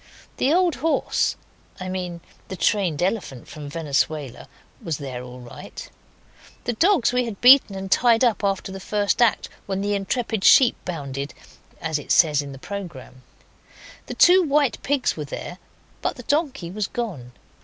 The old horse I mean the trained elephant from Venezuela was there all right enough. The dogs we had beaten and tied up after the first act, when the intrepid sheep bounded, as it says in the programme. The two white pigs were there, but the donkey was gone.